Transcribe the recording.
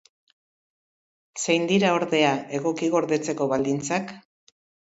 Zein dira, ordea, egoki gordetzeko baldintzak?